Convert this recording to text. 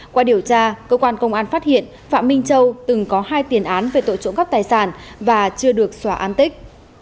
qua điều tra cơ quan công an phát hiện phạm minh châu từng có hai tiền án về tội trộm cắp tài sản và chưa được xóa an tích